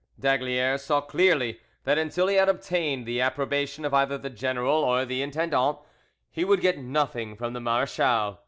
D'Aygaliers saw clearly that until he had obtained the approbation of either the general or the intendant, he would get nothing from the marechal.